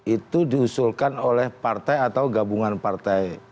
itu diusulkan oleh partai atau gabungan partai